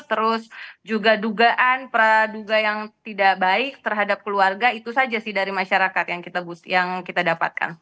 terus juga dugaan praduga yang tidak baik terhadap keluarga itu saja sih dari masyarakat yang kita dapatkan